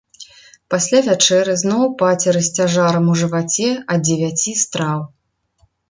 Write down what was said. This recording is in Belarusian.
Пасля вячэры зноў пацеры з цяжарам у жываце ад дзевяці страў.